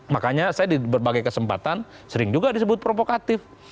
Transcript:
makanya saya di berbagai kesempatan sering juga disebut provokatif